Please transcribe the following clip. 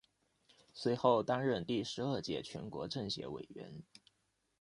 随后担任第十二届全国政协委员。